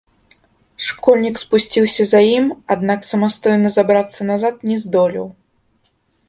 Школьнік спусціўся за ім, аднак самастойна забрацца назад не здолеў.